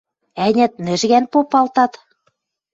Ӓнят, нӹжгӓн попалтат?